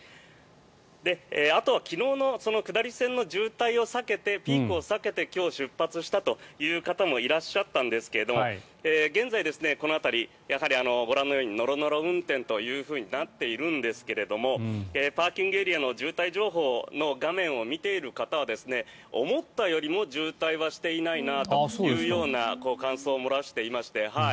あとは昨日の下り線の渋滞を避けてピークを避けて今日出発したという方もいらっしゃったんですが現在、この辺りやはりご覧のようにノロノロ運転というふうになっているんですがパーキングエリアの渋滞情報の画面を見ている方は思ったよりも渋滞はしていないなというような感想を漏らしていまして。